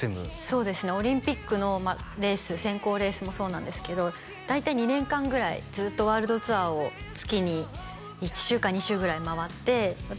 そうですねオリンピックのレース選考レースもそうなんですけど大体２年間ぐらいずっとワールドツアーを月に１週か２週ぐらい回って私